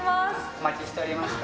お待ちしておりました。